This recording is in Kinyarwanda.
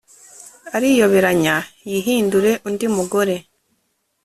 Ariyoberanya yihindure undi mugore